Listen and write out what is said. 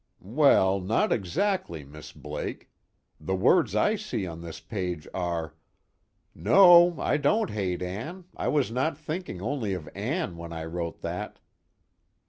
"Well, not exactly, Miss Blake. The words I see on this page are: 'No, I don't hate Ann, I was not thinking only of Ann when I wrote that.'